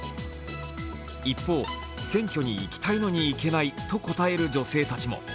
一方、選挙に行きたいのに行けないと答える女性たちも。